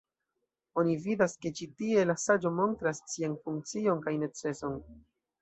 Oni vidas ke ĉi tie la saĝo montras sian funkcion kaj neceson.